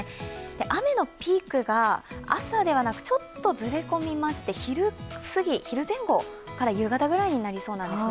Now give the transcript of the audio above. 雨のピークが朝ではなくちょっとずれ込みまして昼過ぎ、昼前後から夕方ぐらいになりそうなんですね。